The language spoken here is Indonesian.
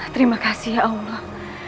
terima kasih ya allah